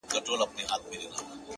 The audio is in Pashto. • چي رمې به گرځېدلې د مالدارو,